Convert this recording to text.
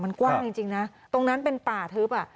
มันกว้างจริงนะตรงนั้นเป็นป่าทึบอ่ะ